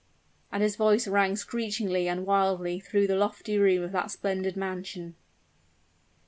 And his voice rang screechingly and wildly through the lofty room of that splendid mansion.